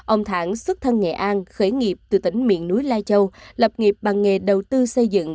ông thẳng xuất thân nghệ an khởi nghiệp từ tỉnh miền núi lai châu lập nghiệp bằng nghề đầu tư xây dựng